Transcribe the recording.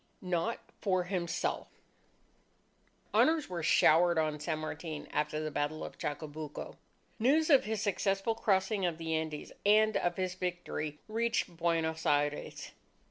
NOT FOR HIMSELF Honours were showered on San Martin after the battle of Chacabuco. News of his successful crossing of the Andes and of his victory, reached Buenos Aires.